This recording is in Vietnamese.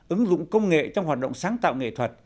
ứng dụng công nghệ trong hoạt động sáng tạo nghệ thuật